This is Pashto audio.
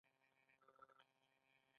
ټول هغه څه چې کارګران ورته اړتیا لري برابروي